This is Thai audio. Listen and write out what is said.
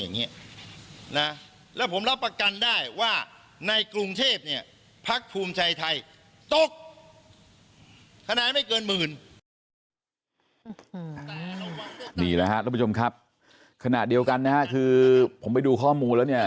นี่แหละครับทุกผู้ชมครับขณะเดียวกันนะฮะคือผมไปดูข้อมูลแล้วเนี่ย